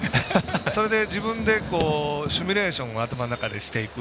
それで自分でシミュレーションをしていく。